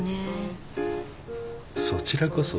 そちらこそ。